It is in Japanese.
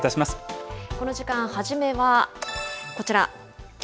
この時間、初めはこちら、去